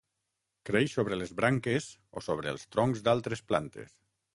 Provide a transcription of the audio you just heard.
Creix sobre les branques o sobre els troncs d'altres plantes.